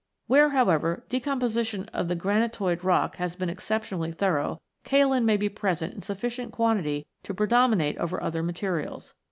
Where, however, decomposition of the granitoid rock has been exceptionally thorough, kaolin may be present in sufficient quantity to predominate over other materials.